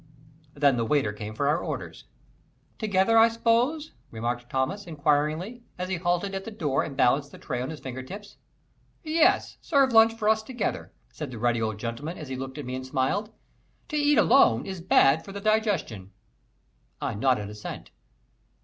Then the waiter came for our orders. "Together, I s'pose?" remarked Thomas, inquiringly, as he halted at the door and balanced the tray on his finger tips. "Yes, serve lunch for us together," said the ruddy old gentleman as he looked at me and smiled; "to eat alone is bad for the digestion." I nodded assent.